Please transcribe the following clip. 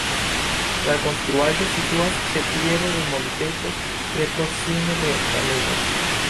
La konstruaĵo situas ĉe piedo de monteto tre proksime de Danubo.